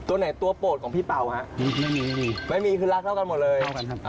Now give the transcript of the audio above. ตัวไหนตัวโปรดของพี่เป่าฮะไม่มีคือรักเท่ากันหมดเลย